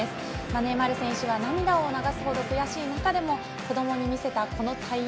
ネイマール選手は涙を流す程悔しい中でも子どもに見せた、この対応。